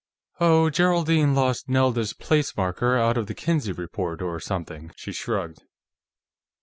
"Oh, Geraldine lost Nelda's place marker out of the Kinsey Report, or something." She shrugged.